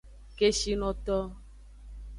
Keshinoto.